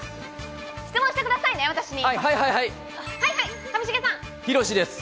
質問してくださいね、私に。